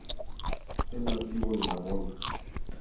Es nativo de Gabón.